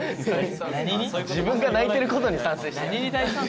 自分が泣いてることに賛成？